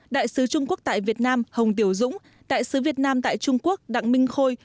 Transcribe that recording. đại sứ trung quốc tại việt nam hồng tiểu dũng đại sứ việt nam tại trung quốc đặng minh khôi